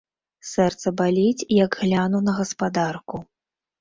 Сэрца баліць, як гляну на гаспадарку.